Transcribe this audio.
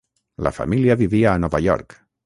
La família vivia a Nova York.